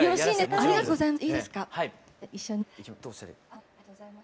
ありがとうございます。